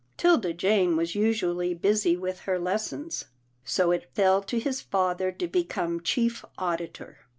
'Tilda Jane was usually busy with her lessons, so it fell to his father to become chief auditor.